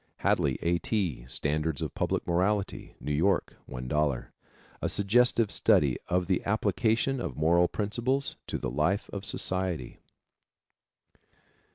Hadley, A. T., Standards of Public Morality. New York, $1.00. A suggestive study of the application of moral principles to the life of society.